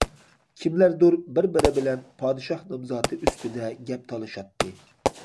كىملەردۇر بىر بىرى بىلەن پادىشاھ نامزاتى ئۈستىدە گەپ تالىشاتتى.